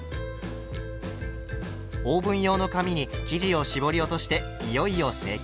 オーブン用の紙に生地を絞り落としていよいよ成形。